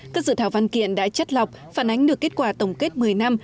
các dự thảo văn kiện đã chất lọc phản ánh được kết quả tổng kết một mươi năm